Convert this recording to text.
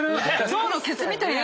象のケツみたいな。